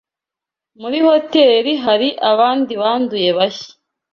Muri hoteri hari abandi banduye bashya.